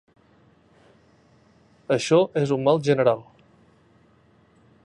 Això és un mal general.